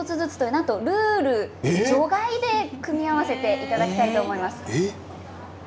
なんとルール除外で組み合わせていただきたいと思います。